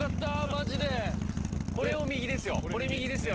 これを右ですよ。